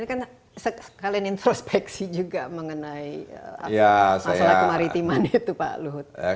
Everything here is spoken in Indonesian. ini kan sekalian introspeksi juga mengenai masalah kemaritiman itu pak luhut